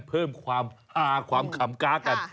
เพิ่มความหาความขำก้ากัน